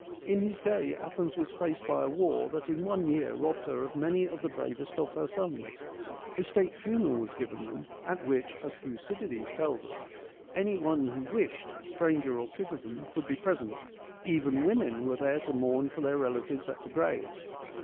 In his day Athens was faced by a war that in one year robbed her of many of the bravest of her sons. A state funeral was given them at which, as Thucydides tells us :' Any one who ^SCHYLUS AND SOPHOCLES 79 wished, stranger or citizen, could be present : even women were there to mourn for their relatives at the grave.'